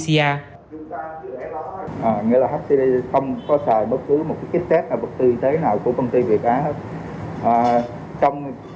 nghĩa là hcdc không có sử dụng bộ kích test nào của công ty việt á